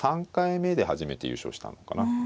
３回目で初めて優勝したのかな。